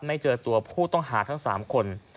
ไม่เจอตัวผู้ต้องหาทั้ง๓คน